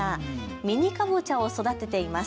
ミニカボチャを育てています。